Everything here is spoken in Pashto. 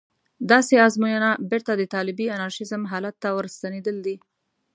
داسې ازموینه بېرته د طالبي انارشېزم حالت ته ورستنېدل دي.